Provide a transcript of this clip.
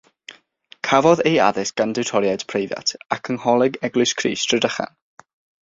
Cafodd ei addysg gan diwtoriaid preifat ac yng Ngholeg Eglwys Crist, Rhydychen.